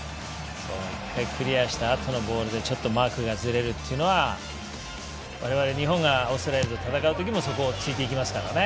１回クリアしたあとのボールでマークがずれるっていうのは我々日本がオーストラリアと戦うときもそこをついていきますからね。